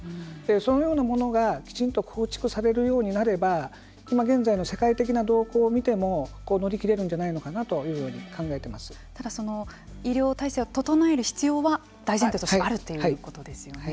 そのようなものがきちんと構築されるようになれば今現在の世界的な動向を見ても乗り切れるんじゃないかなとただその医療体制を整える大前提としてあるわけですね。